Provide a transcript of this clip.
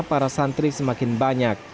para santri semakin banyak